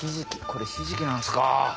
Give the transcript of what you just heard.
これひじきなんですか。